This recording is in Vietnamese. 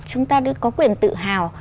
chúng ta có quyền tự hào